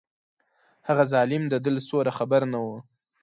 هغه ظالم د ده له سوره خبر نه و.